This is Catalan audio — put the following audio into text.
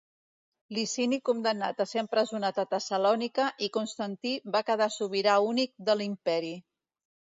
Licini condemnat a ser empresonat a Tessalònica i Constantí va quedar sobirà únic de l'imperi.